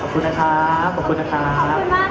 ขอบคุณนะครับ